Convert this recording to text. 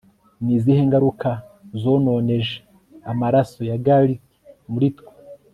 Ni izihe ngaruka zononeje amaraso ya Gallic muri twe